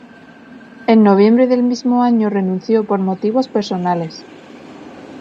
En noviembre del mismo año renunció por motivos personales.